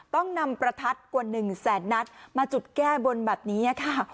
ต้องนำประทัดกว่า๑แสนนัดมาจุดแก้บนแบบนี้ค่ะ